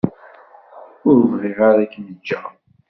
Ur bɣiɣ ara ad kem-ǧǧeɣ.